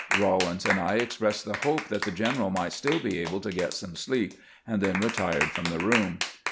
Eawlins and I expressed the hope that the general might still be able to get some sleep, and then retired from the room.